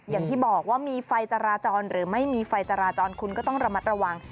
อย่างที่บอกว่ามีไฟจราจรหรือไม่มีไฟจราจรคุณก็ต้องระมัดระวัง